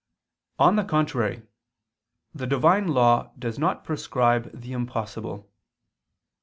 On the contrary, The Divine law does not prescribe the impossible.